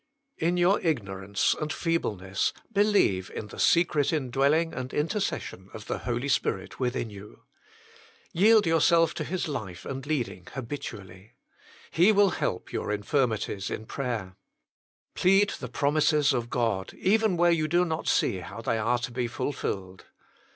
In your ignorance and feebleness believe in the secret indwelling and intercession of the Holy Spirit within you. Yield yourself to His life and leading habitually. He will help your infirmities in prayer. Plead the promises of God even where you do not see how they are to be fulfilled.